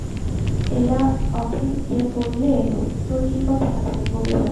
এলা অখিলকে বললে, তোর কী কথা আছে বলে যা।